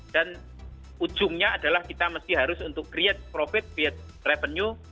dan ujungnya adalah kita harus untuk create profit via revenue